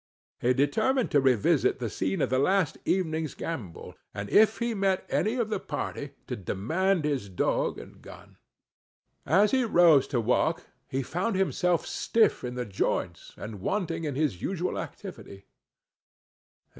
He determined to revisit the scene of the last evening's gambol, and if he met with any of the party, to demand his dog and gun. As he rose to walk, he found himself stiff in the joints, and wanting in his usual activity.